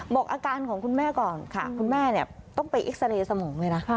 บอกอาการของคุณแม่ก่อนค่ะคุณแม่ต้องไปเอ็กซาเรย์สมองเลยนะ